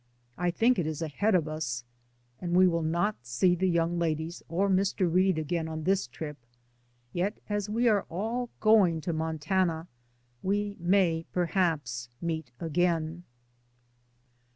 I think it is ahead of us, and we will not see the young ladies or Mr. Reade again on this trip, yet as we are all going to Montana we may perhaps meet again.